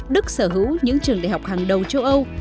đức sở hữu những trường đại học hàng đầu châu âu